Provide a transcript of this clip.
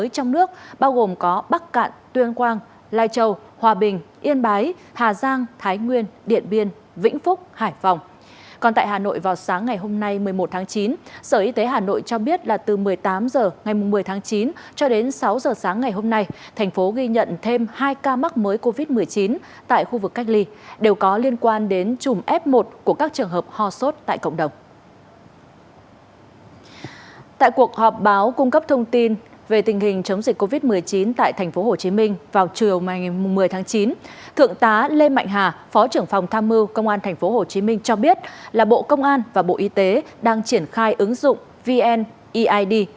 trong báo cung cấp thông tin về tình hình chống dịch covid một mươi chín tại tp hcm vào trường một mươi tháng chín thượng tá lê mạnh hà phó trưởng phòng tham mưu công an tp hcm cho biết là bộ công an và bộ y tế đang triển khai ứng dụng vn eid